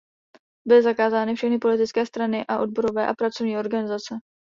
Byly zakázány všechny politické strany a odborové a pracovní organizace.